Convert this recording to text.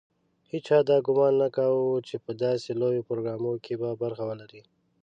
هېچا دا ګومان نه کاوه چې په داسې لوی پروګرام کې به برخه ولري.